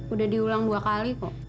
udah diulang dua kali kok